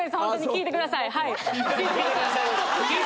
聞いてください！